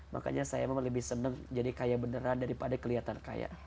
makanya saya memang lebih senang jadi kaya beneran daripada kelihatan kaya